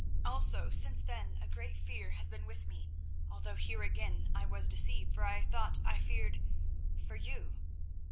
Also since then a great fear has been with me, although here again I was deceived, for I thought I feared—for you.